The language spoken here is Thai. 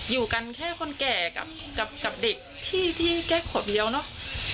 อยู่กันแค่คนแก่กับเด็กที่แค่ขวบเดียวเนาะ